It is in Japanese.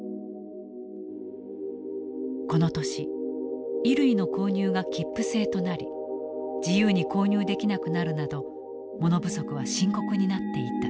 この年衣類の購入が切符制となり自由に購入できなくなるなど物不足は深刻になっていた。